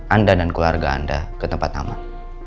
anda dan keluarga anda ke tempat aman